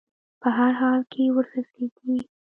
په هر حال کې وررسېږي.